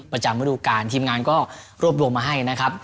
ประจำฤดูการทีมงานก็รวบรวมมาให้นะครับ